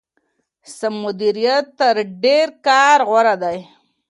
سم مديريت تر ډېر کار غوره دی.